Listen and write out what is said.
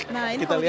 nah ini kalau gitu